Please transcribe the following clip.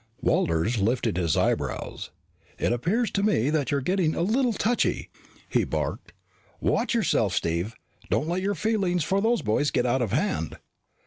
Walters lifted his eyebrows. "It appears to me that you're getting a little touchy!" he barked. "Watch yourself, Steve. Don't let your feelings for those boys get out of hand."